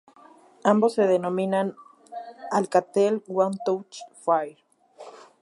Ambos se denominan Alcatel One Touch Fire.